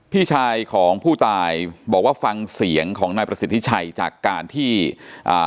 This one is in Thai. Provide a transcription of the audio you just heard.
พี่ชายของผู้ตายบอกว่าฟังเสียงของนายประสิทธิชัยจากการที่อ่า